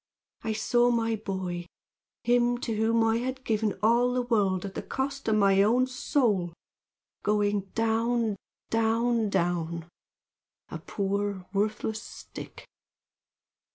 I saw my boy, him to whom I had given all the world at the cost of my own soul, going down, down, down, a poor worthless stick!